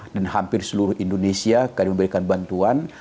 dan hampir seluruh indonesia kadin memberikan bantuan